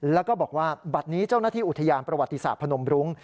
แล้วก็บอกว่าบัตรนี้เจ้าหน้าที่อุทยานประวัติศาสตร์พนมรุ้ง